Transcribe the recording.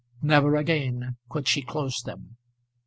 Never again could she close them.